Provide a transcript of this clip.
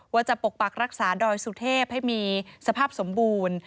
จะปกปักรักษาดอยสุเทพให้มีสภาพสมบูรณ์